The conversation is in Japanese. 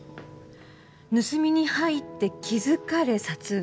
盗みに入って気づかれ殺害。